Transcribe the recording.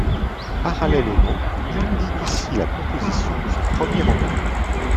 Parallèlement, il initie la composition de son premier roman.